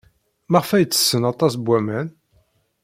Maɣef ay ttessen aṭas n waman?